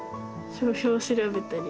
商標調べたり。